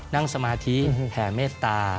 นั่งสมาธิแห่เมตตา